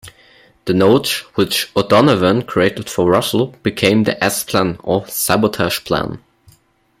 The notes which O'Donovan created for Russell became the S-Plan or Sabotage Plan.